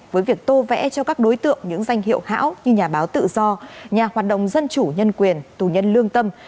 với việc tô vẽ cho các đối tượng những danh hiệu hãng như nhà báo tự do nhà hoạt động dân chủ nhân quyền tù nhân lương tâm